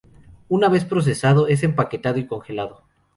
Una vez procesado, es empaquetado y congelado.